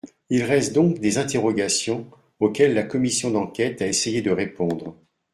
Il reste donc des interrogations, auxquelles la commission d’enquête a essayé de répondre.